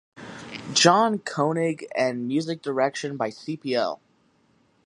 John Koenig and music direction by Cpl.